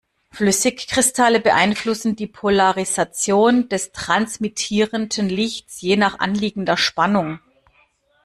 Flüssigkristalle beeinflussen die Polarisation des transmittierten Lichts je nach anliegender Spannung.